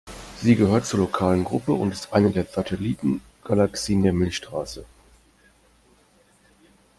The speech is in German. Sie gehört zur Lokalen Gruppe und ist eine der Satellitengalaxien der Milchstraße.